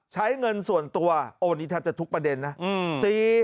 ใช้เงินส่วนตัวโอ้นี่แทบจะทุกประเด็นนะ